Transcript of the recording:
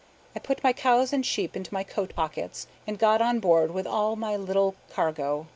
I put my cows and sheep into my coat pockets, and got on board with all my little cargo.